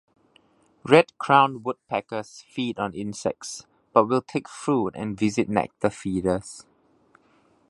Red-crowned woodpeckers feed on insects, but will take fruit and visit nectar feeders.